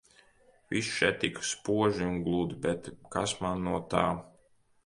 Viss še tik spoži un gludi, bet kas man no tā.